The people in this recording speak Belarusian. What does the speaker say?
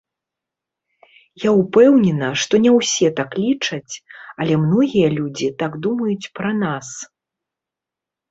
Я ўпэўнена, што не ўсе так лічаць, але многія людзі так думаюць пра нас.